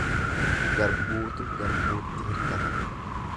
Garbuutu garbuutti hirkata.